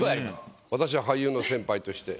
私は俳優の先輩として。